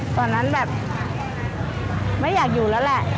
ตอนนั้นแบบไม่อยากอยู่แล้วแหละ